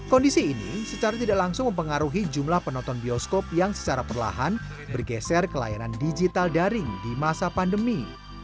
kondisi ini secara tidak langsung mempengaruhi jumlah penonton bioskop yang secara perlahan bergeser ke layanan digital daring di masa pandemi